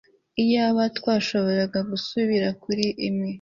iyaba twashoboraga gusubira kuri imwe